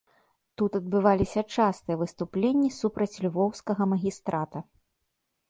Тут адбываліся частыя выступленні супраць львоўскага магістрата.